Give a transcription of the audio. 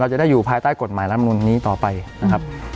จะได้อยู่ภายใต้กฎหมายรัฐมนุนนี้ต่อไปนะครับ